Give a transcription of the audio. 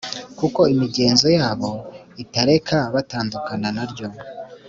kuko imigenzo yabo itareka batandukana na ryo.